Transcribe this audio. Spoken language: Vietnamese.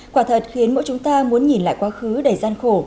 quả thật khiến mỗi chúng ta muốn nhìn lại quá khứ đầy gian khổ